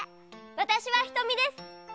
わたしはひとみです。